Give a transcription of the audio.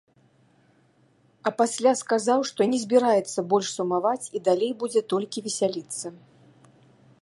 А пасля сказаў, што не збіраецца больш сумаваць і далей будзе толькі весяліцца.